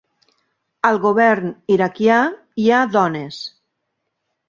Al govern iraquià hi ha dones